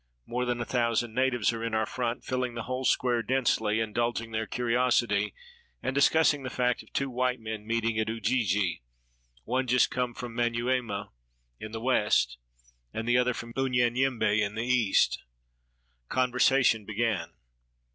More than a thousand natives are in our front, filling the whole square densely, indulging their curiosity, and discussing the fact of two white men meeting at Ujiji — one just come from Man}aiema, in the west, the other from Unyanyembe, in the east. Conversation began.